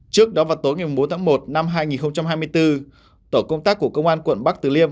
trước đó vào tối ngày bốn tháng một năm hai nghìn hai mươi bốn tổ công tác của công an quận bắc từ liêm